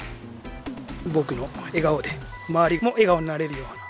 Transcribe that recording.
僕の笑顔で周りも笑顔になれるような。